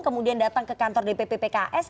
kemudian datang ke kantor dpp pks